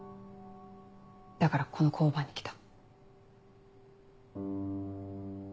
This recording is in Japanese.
だからこの交番に来た。